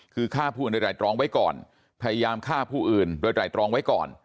คือฆ่าผู้อื่นโดยไตรตรองไว้ก่อนพยายามฆ่าผู้อื่นโดยไตรตรองไว้ก่อน